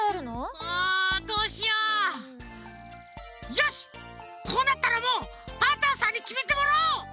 よしこうなったらもうパンタンさんにきめてもらおう！